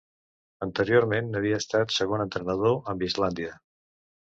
Anteriorment havia estat segon entrenador amb Islàndia.